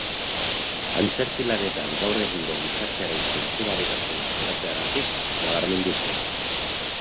Antzerki lanetan gaur egungo gizartearen zentzugabetasuna salatzeagatik nabarmendu zen.